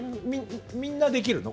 みんなできるの？